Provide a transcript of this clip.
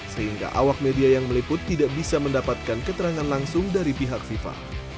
sehingga awak media yang meliput tidak bisa mendapatkan keterangan langsung dari pihak fifa